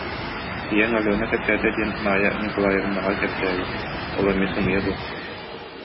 Ийэҥ Алена кэпсээтэ диэн Маайа Ньукулаайабынаҕа кэпсээбит, ол эмиэ сымыйа дуо